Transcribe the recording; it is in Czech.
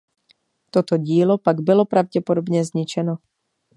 Toto dílo bylo pak pravděpodobně zničeno.